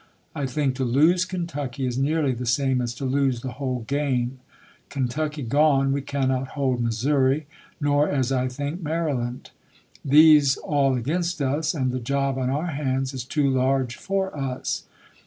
I think to lose Kentucky is nearly the same as to lose the whole game. Kentucky gone, we cannot hold Missouri, nor, as I think, Maryland. These all against us, and the job on our hands is too large for us.